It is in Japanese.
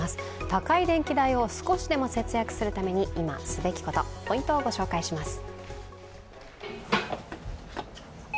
高い電気代を少しでも節約するために今、できること、ポイントをご紹介します。